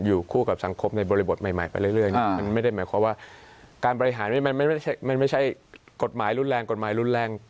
อยู่คู่กับสังคมในบริบทใหม่อยู่